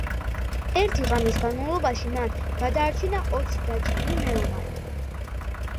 ერთი ღამის განმავლობაში მან გადაარჩინა ოცი დაჭრილი მეომარი.